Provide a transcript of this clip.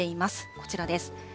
こちらです。